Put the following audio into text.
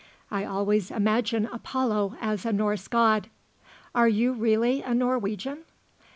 I always imagine Apollo as a Norse God. Are you really a Norwegian?"